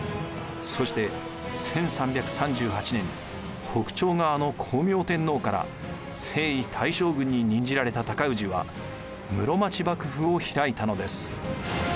そして１３３８年北朝側の光明天皇から征夷大将軍に任じられた尊氏は室町幕府を開いたのです。